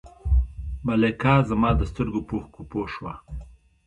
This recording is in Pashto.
ملکه زما د سترګو په اوښکو پوه شوه.